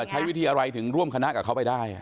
ใช้วิธีอะไรถึงร่วมคณะกับเขาไปได้